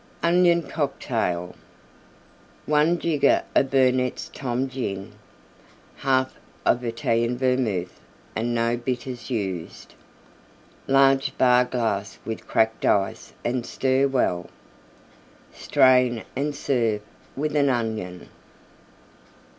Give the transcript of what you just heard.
ONION COCKTAIL 1 jigger of Burnette's Tom Gin. 1/2 of Italian Vermouth and no Bitters used. Large Bar glass with Cracked Ice and stir well. Strain and serve with an Onion.